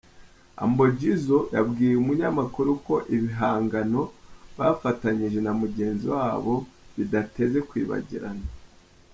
Humble Jizzo yabwiye Umunyamakuru ko ibihangano bafatanyije na mugenzi wabo bidateze kwibagirana